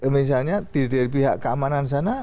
misalnya dari pihak keamanan sana